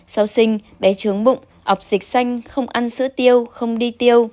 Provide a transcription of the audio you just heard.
sau sinh bé trướng bụng ọc dịch xanh không ăn sữa tiêu không đi tiêu